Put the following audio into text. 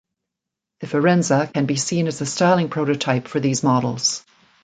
The Firenza can be seen as a styling prototype for these models.